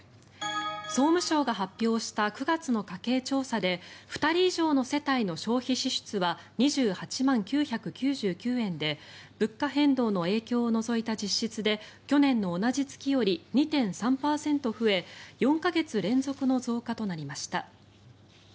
総務省が発表した９月の家計調査で２人以上の世帯の消費支出は２８万９９９円で物価変動の影響を除いた実質で去年の同じ月より２．３％増え４か月連続の増加となりました。